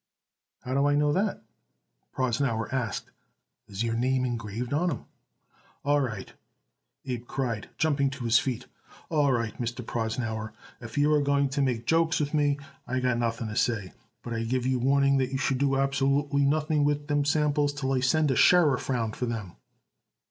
"How do I know that?" Prosnauer asked. "Is your name engraved on 'em?" "All right," Abe cried, jumping to his feet. "All right, Mr. Prosnauer. If you are going to make jokes with me I got nothing to say, but I give you warning that you should do absolutely nothing with them samples till I send a sheriff round for them."